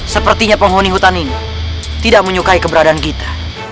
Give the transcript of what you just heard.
sepertinya penghuni hutan ini tidak menyukai keberadaan kita